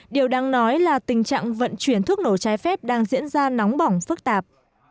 điều đáng nói là tình trạng vận chuyển thuốc nổ trái phép đang diễn ra nóng bỏng phức tạp